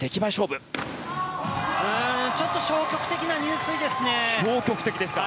ちょっと消極的な入水ですね。